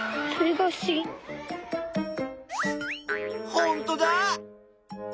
ほんとだ。